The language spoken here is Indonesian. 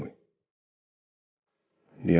bisa baca di luar